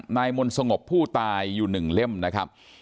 นายมนต์สงบผู้ตายอยู่๑เล่มนะครับ